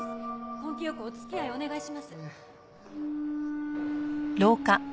根気よくお付き合いをお願いします。